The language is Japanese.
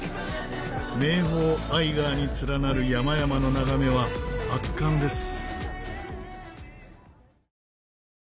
名峰アイガーに連なる山々の眺めは圧巻です。